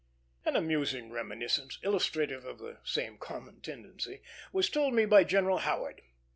An amusing reminiscence, illustrative of the same common tendency, was told me by General Howard.